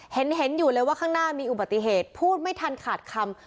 เห็นอยู่เลยว่าข้างหน้ามีอุบัติเหตุพูดไม่ทันขาดคำ